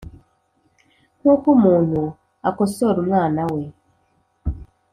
nk’uko umuntu akosora umwana we. “